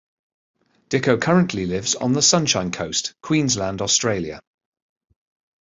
Dicko currently lives on the Sunshine Coast, Queensland, Australia.